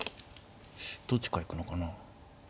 どっちから行くのかな。